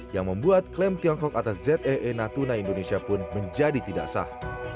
yang membuat klaim tiongkok atas zee natuna indonesia pun menjadi tidak sah